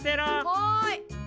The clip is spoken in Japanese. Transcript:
はい。